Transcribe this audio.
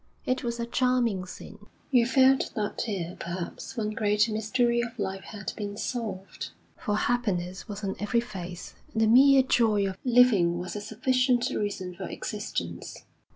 It was a charming scene. You felt that here, perhaps, one great mystery of life had been solved; for happiness was on every face, and the mere joy of living was a sufficient reason for existence.